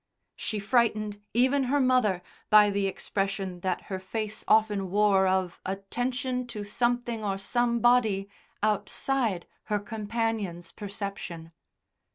She frightened even her mother by the expression that her face often wore of attention to something or somebody outside her companion's perception.